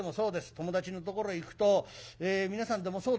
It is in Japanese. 友達のところへ行くと皆さんでもそうでしょう。